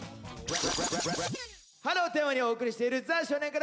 「春」をテーマにお送りしている「ザ少年倶楽部」。